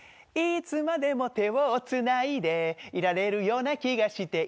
「いつまでも手をつないでいられるような気がして」